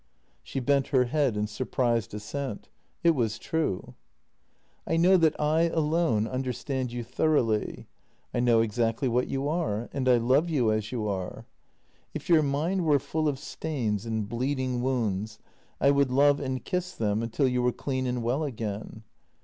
" She bent her head in surprised assent. It was true. " I know that I alone understand you thoroughly. I know exactly what you are, and I love you as you are. If your mind were full of stains and bleeding wounds, I would love and kiss them until you were clean and well again.